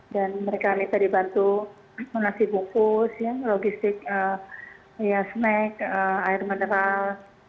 dan mereka ini tadi bantu menghasilkan bukus logistik snack air mineral